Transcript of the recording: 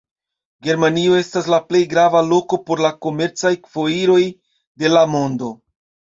Germanio estas la plej grava loko por la komercaj foiroj de la mondo.